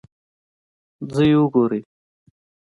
ځئ او وګورئ